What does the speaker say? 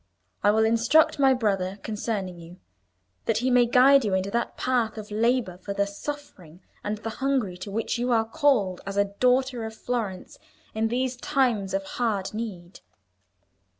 I will instruct my brother concerning you, that he may guide you into that path of labour for the suffering and the hungry to which you are called as a daughter of Florence in these times of hard need.